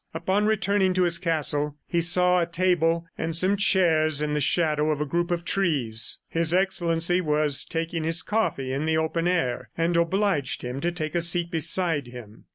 Upon returning to his castle, he saw a table and some chairs in the shadow of a group of trees. His Excellency was taking his coffee in the open air, and obliged him to take a seat beside him.